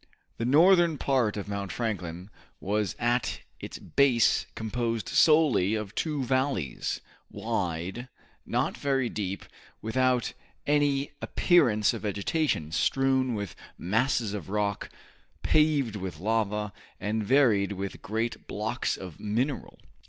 The northern part of Mount Franklin was at its base composed solely of two valleys, wide, not very deep, without any appearance of vegetation, strewn with masses of rock, paved with lava, and varied with great blocks of mineral.